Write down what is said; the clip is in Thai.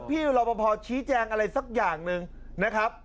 พี่รอปภชี้แจงอะไรสักอย่างหนึ่งนะครับ